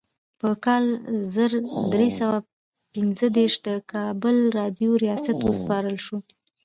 په کال زر درې سوه پنځه دیرش د کابل راډیو ریاست وروسپارل شو.